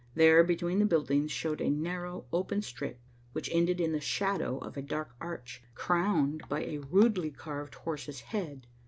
There, between the buildings, showed a narrow, open strip, which ended in the shadow of a dark arch, crowned by a rudely carved horse's head.